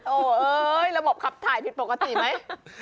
โอ๊ยระบบขับถ่ายผิดปกติไหม